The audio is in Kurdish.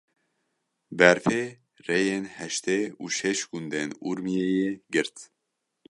Berfê, rêyên heştê û şeş gundên Urmiyeyê girt.